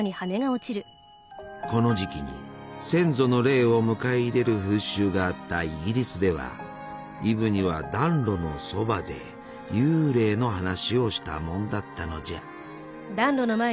この時期に先祖の霊を迎え入れる風習があったイギリスではイブには暖炉のそばで幽霊の話をしたもんだったのじゃ。